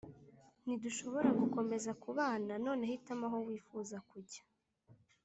Ntidushobora gukomeza kubana none hitamo aho wifuza kujya